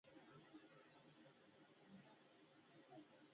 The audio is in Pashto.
ازادي راډیو د اطلاعاتی تکنالوژي لپاره د مرستو پروګرامونه معرفي کړي.